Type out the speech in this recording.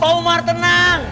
pak umar tenang